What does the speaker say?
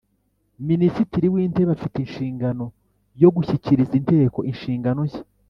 minisitiri w intebe afite inshingano yo gushyikiriza inteko ishingano shya